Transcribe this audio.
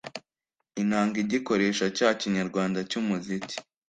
inanga: igikoresho cya kinyarwanda cy’umuziki.